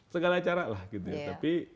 segala caralah gitu ya tapi